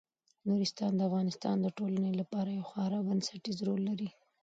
نورستان د افغانستان د ټولنې لپاره یو خورا بنسټيز رول لري.